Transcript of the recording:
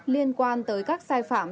liên quan tới các sai phạm